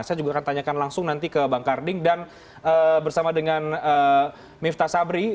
saya juga akan tanyakan langsung nanti ke bang karding dan bersama dengan miftah sabri